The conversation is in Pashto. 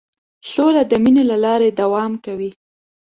سوله د مینې له لارې دوام کوي.